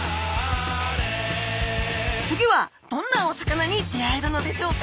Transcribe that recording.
次はどんなお魚に出会えるのでしょうか。